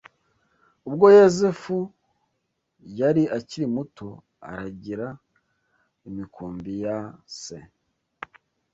Ubwo Yosefu yari akiri muto aragira imikumbi ya se